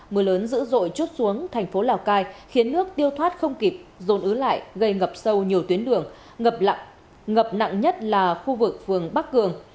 mưa lớn dữ dội chút xuống thành phố lào cai khiến nước tiêu thoát không kịp dồn ứ lại gây ngập sâu nhiều tuyến đường ngập nặng nhất là khu vực phường bắc cường